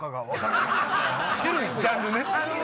ジャンルね。